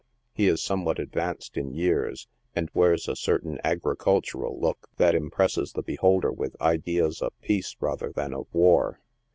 He is somewhat advanced in years, and wears a certain agricultural look that im presses the beholder with ideas of peace rather than of war.